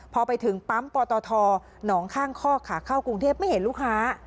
พอไปถึงปั๊มปตทหนองข้างคอกขาเข้ากรุงเทพไม่เห็นลูกค้า